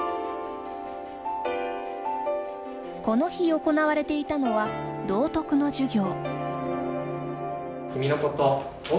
この日行われていたのは道徳の授業。